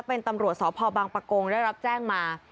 เป็นตำรวจสพบังปะโกงได้รับแจ้งมา